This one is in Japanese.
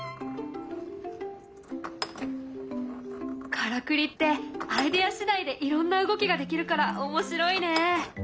からくりってアイデア次第でいろんな動きができるから面白いね。